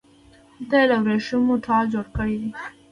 دلته يې له وريښمو ټال جوړ کړی دی